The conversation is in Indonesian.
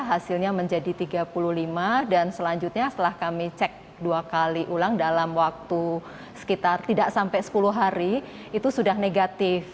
hasilnya menjadi tiga puluh lima dan selanjutnya setelah kami cek dua kali ulang dalam waktu sekitar tidak sampai sepuluh hari itu sudah negatif